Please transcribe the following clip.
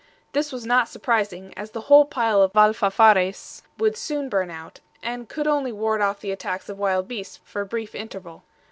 This was not surprising, as the whole pile of ALFAFARES would soon burn out and could only ward off the attacks of wild beasts for a brief interval.